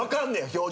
表情。